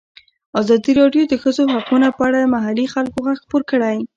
ازادي راډیو د د ښځو حقونه په اړه د محلي خلکو غږ خپور کړی.